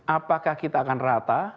apakah kita akan rata